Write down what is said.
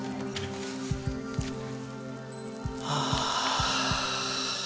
はあ！